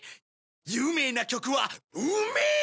有名な曲は「うんめえ！」